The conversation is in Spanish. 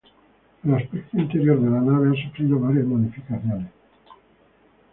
El aspecto interior de la nave ha sufrido varias modificaciones.